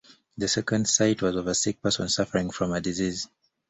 The second sight was of a sick person suffering from a disease.